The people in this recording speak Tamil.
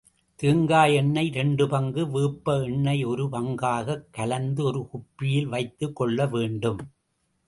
தேங்காய் எண்ணெய் இரண்டு பங்கு, வேப்ப எண்ணெய் ஒரு பங்காகக் கலந்து ஒரு குப்பியில் வைத்துக் கொள்ள வேண்டும்.